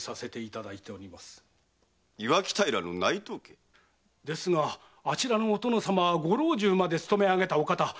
磐城平の内藤家？ですがあちらのお殿様はご老中まで勤め上げたお方。